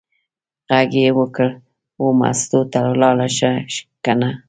غږ یې وکړ: وه مستو ته لاړه شه کنه.